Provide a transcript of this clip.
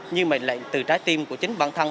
như mệnh lệnh từ trái tim của chính bản thân